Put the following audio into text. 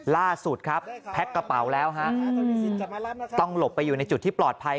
ล่าสุดครับแพ็คกระเป๋าแล้วฮะต้องหลบไปอยู่ในจุดที่ปลอดภัย